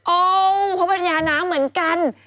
โอ้โฮเพราะมันยาน้ำเหมือนกัน